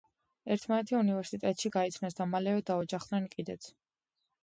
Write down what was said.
ერთმანეთი უნივერსიტეტში გაიცნეს და მალევე დაოჯახდნენ კიდეც.